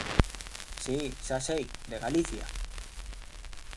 Si, xa sei, de Galicia.